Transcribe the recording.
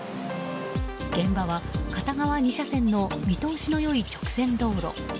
現場は片側２車線の見通しの良い直線道路。